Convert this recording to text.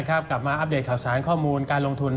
กลับมาอัปเดตข่าวสารข้อมูลการลงทุน